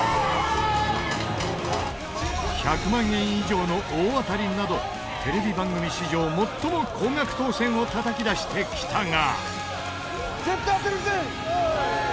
１００万円以上の大当たりなどテレビ番組史上最も高額当せんをたたき出してきたが。